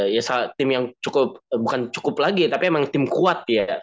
ya tim yang cukup bukan cukup lagi tapi emang tim kuat ya